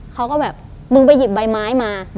เขาก็แบบมึงไปหยิบใบไม้มา